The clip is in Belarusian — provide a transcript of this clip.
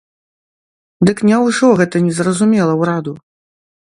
Дык няўжо гэта не зразумела ўраду?